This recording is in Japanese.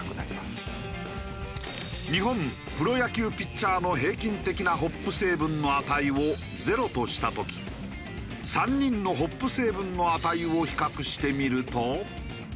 日本プロ野球ピッチャーの平均的なホップ成分の値を０とした時３人のホップ成分の値を比較してみると。